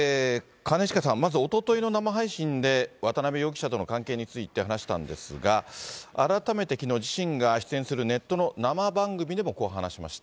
兼近さん、まずおとといの生配信で渡辺容疑者との関係について話したんですが、改めてきのう、自身が出演するネットの生番組でもこう話しました。